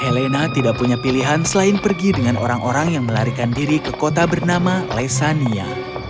elena tidak punya pilihan selain pergi dengan orang orang yang melarikan diri ke kota bernama lesania